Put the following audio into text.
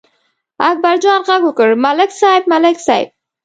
اکبرجان غږ وکړ: ملک صاحب، ملک صاحب!